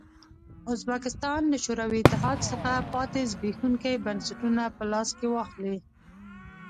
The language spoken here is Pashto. ازبکستان له شوروي اتحاد څخه پاتې زبېښونکي بنسټونه په لاس کې واخلي.